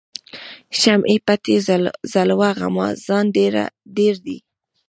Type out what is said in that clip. شمعی پټي ځلوه غمازان ډیر دي